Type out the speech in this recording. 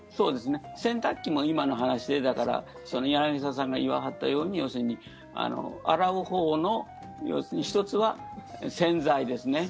洗濯機も今の話で柳澤さんが言わはったように要するに洗うほうの１つは洗剤ですね。